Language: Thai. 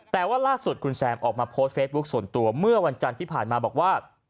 แต่ว่าล่าสุดคุณแซมออกมาโพสต์เฟซบุ๊คส่วนตัวเมื่อวันจันทร์ที่ผ่านมาบอกว่า